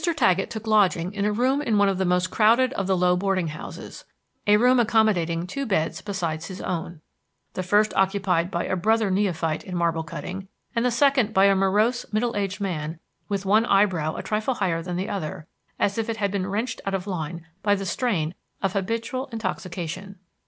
Taggett took lodging in a room in one of the most crowded of the low boarding houses, a room accommodating two beds besides his own: the first occupied by a brother neophyte in marble cutting, and the second by a morose middle aged man with one eyebrow a trifle higher than the other, as if it had been wrenched out of line by the strain of habitual intoxication.